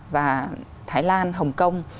và thái lan hồng kông